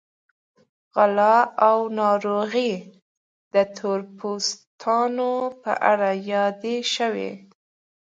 غلا او ناروغۍ د تور پوستانو په اړه یادې شوې.